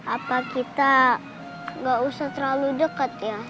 apa kita gak usah terlalu dekat ya